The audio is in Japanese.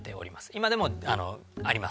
今でもあります